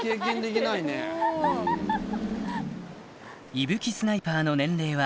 イブキスナイパーの年齢は